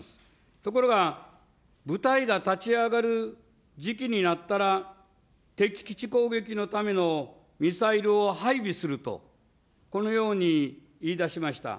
ところが、部隊が立ち上がる時期になったら、敵基地攻撃のためのミサイルを配備すると、このように言い出しました。